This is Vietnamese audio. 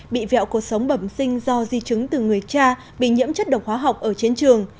bị vẹo cuộc sống bẩm sinh do di chứng từ người cha bị nhiễm chất độc hóa học ở chiến trường